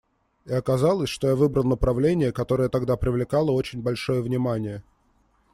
И оказалось, что я выбрал направление, которое тогда привлекало очень большое внимание.